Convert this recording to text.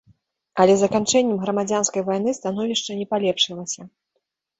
Але заканчэннем грамадзянскай вайны становішча не палепшылася.